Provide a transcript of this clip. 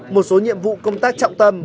một số nhiệm vụ công tác trọng tâm